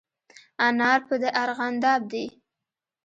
انار په د ارغانداب دي